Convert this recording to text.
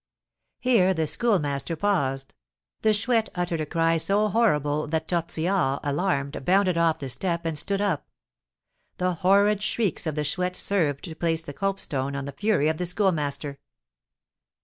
Here the Schoolmaster paused. The Chouette uttered a cry so horrible that Tortillard, alarmed, bounded off the step, and stood up. The horrid shrieks of the Chouette served to place the copestone on the fury of the Schoolmaster.